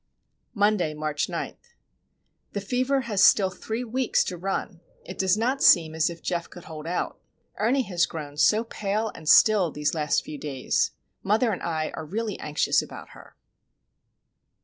Monday, March 9. The fever has still three weeks to run. It does not seem as if Geof could hold out. Ernie has grown so pale and still these last few days. Mother and I are really anxious about her.